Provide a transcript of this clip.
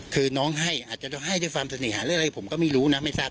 คือน้องให้อาจจะให้ด้วยความเสน่หาหรืออะไรผมก็ไม่รู้นะไม่ทราบ